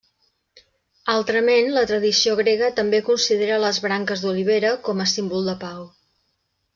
Altrament, la tradició grega també considera les branques d'olivera com a símbol de pau.